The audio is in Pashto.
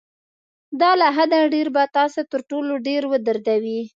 دا له حده ډېر به تاسو تر ټولو ډېر ودردوي.